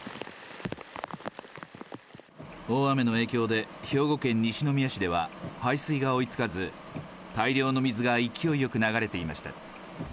大雨の影響で、兵庫県西宮市では排水が追いつかず、大量の水が勢いよく流れていました。